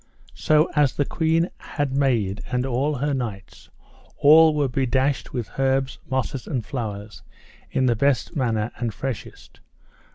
So as the queen had Mayed and all her knights, all were bedashed with herbs, mosses and flowers, in the best manner and freshest.